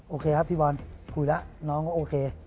โอเคครับพี่บอลคุยแล้วน้องก็โอเค